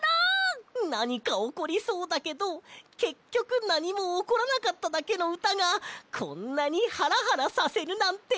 なにかおこりそうだけどけっきょくなにもおこらなかっただけのうたがこんなにハラハラさせるなんて！